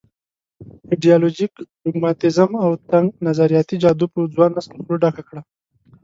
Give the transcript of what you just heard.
ایډیالوژيک ډوګماتېزم او تنګ نظریاتي جادو په ځوان نسل خوله ډکه کړه.